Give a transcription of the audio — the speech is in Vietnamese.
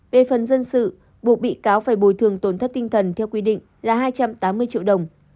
về phần dân sự buộc bị cáo phải bồi thường tổn thất tinh thần theo quy định là hai trăm tám mươi triệu đồng